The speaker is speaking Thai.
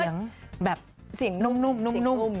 เสียงแบบนุ่มนุ่ม